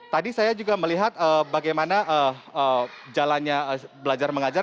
tadi saya juga melihat bagaimana jalannya belajar mengajar